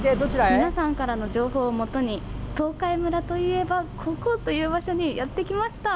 皆さんからの情報をもとに東海村といえばここ！という場所にやってきました。